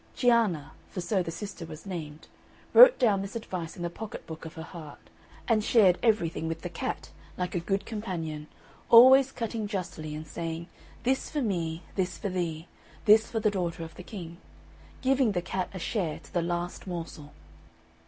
Cianna (for so the sister was named) wrote down this advice in the pocket book of her heart, and shared everything with the cat, like a good companion, always cutting justly, and saying, "This for me this for thee, this for the daughter of the king," giving the cat a share to the last morsel.